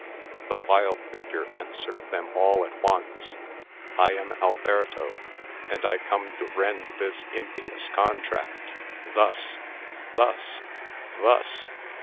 The wild figure answered them all at once: "I am Alberto, and I come to rend this impious contract thus thus thus!"